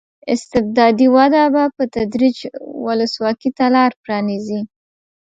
استبدادي وده به په تدریج ولسواکۍ ته لار پرانېزي.